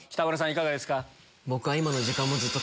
いかがですか？